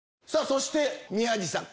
そして宮治さん